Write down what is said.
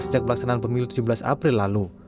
sejak pelaksanaan pemilu tujuh belas april lalu